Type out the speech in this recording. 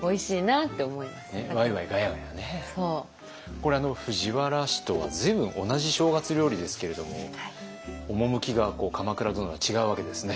これ藤原氏とは随分同じ正月料理ですけれども趣が鎌倉殿は違うわけですね。